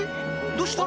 どうした？